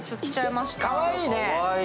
かわいいね。